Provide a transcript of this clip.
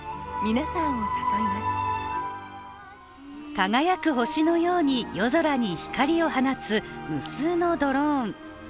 輝く星のように夜空に光を放つ無数のドローン。